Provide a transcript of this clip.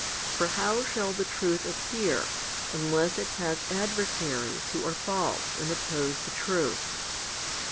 For how shall the truth appear, unless it has adversaries who are false and oppose the truth?